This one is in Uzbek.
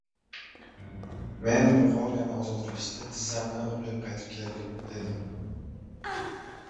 Men Bulg‘oriyani ozod qilishda tizzamdan o‘q yeb qaytib kelib edim.